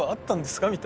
みたいなね。